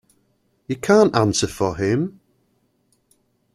You can't answer for him?